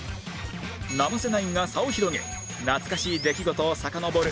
生瀬ナインが差を広げ懐かしい出来事をさかのぼる